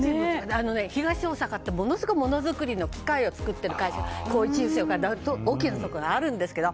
東大阪ってものすごく、物作りの機械を作っている会社で大きなところがあるんですけど。